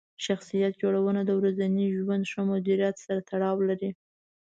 شخصیت جوړونه د ورځني ژوند ښه مدیریت سره تړاو لري.